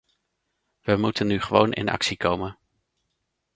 We moeten nu gewoon in actie komen.